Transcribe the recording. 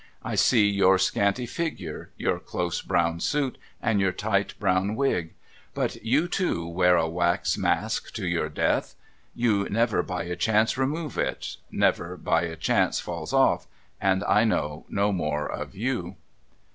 I see your scanty figure, your close brown suit, and your tight brown wig; but you, too, wear a wax mask to your death. THE FIRM OF BARBOX BROTHERS 4^1 You never by a chance remove it — it never by a chance falls off — and I know no more of you.'